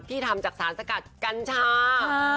ที่ทำจากสรรสักกัจกัญชา